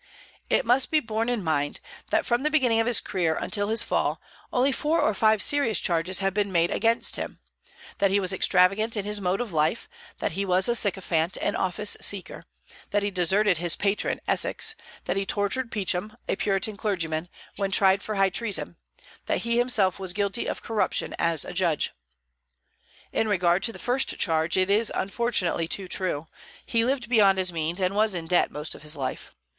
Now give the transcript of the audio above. It must be borne in mind that, from the beginning of his career until his fall, only four or five serious charges have been made against him, that he was extravagant in his mode of life; that he was a sycophant and office seeker; that he deserted his patron Essex; that he tortured Peacham, a Puritan clergyman, when tried for high treason; that he himself was guilty of corruption as a judge. In regard to the first charge, it is unfortunately too true; he lived beyond his means, and was in debt most of his life.